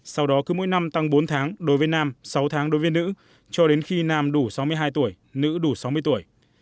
sau đó cứ mỗi năm tăng bốn tháng đối với nam sáu tháng đối với nữ cho đến khi nam đủ sáu mươi hai tuổi nữ đủ sáu mươi tuổi